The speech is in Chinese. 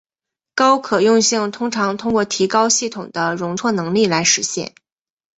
高可用性通常通过提高系统的容错能力来实现。